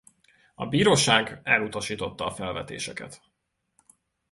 A bíróság elutasította a felvetéseket.